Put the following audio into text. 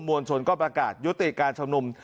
วลชนก็ประกาศยุติการชุมนุม